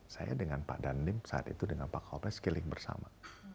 saya dengan pak dandim saat itu dengan pak kawapas skilling bersama